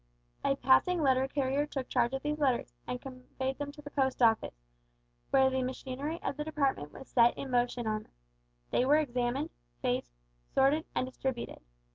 A passing letter carrier took charge of these letters, and conveyed them to the Post Office, where the machinery of the department was set in motion on them. They were examined, faced, sorted, and distributed.